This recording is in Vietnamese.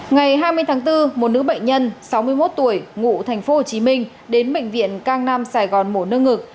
ngày hai mươi tháng bốn một nữ bệnh nhân sáu mươi một tuổi ngụ thành phố hồ chí minh đến bệnh viện cang nam sài gòn mổ nâng ngực